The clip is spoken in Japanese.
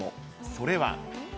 それは。